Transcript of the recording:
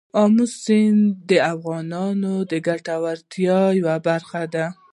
آمو سیند د افغانانو د ګټورتیا یوه برخه ده.